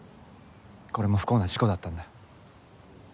これも不幸な事故だったんだ。